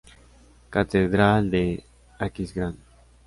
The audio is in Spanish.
Catedral de Aquisgrán